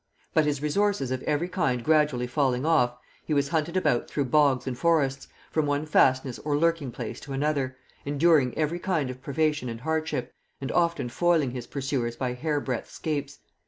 But his resources of every kind gradually falling off, he was hunted about through bogs and forests, from one fastness or lurking place to another, enduring every kind of privation and hardship, and often foiling his pursuers by hair breadth scapes.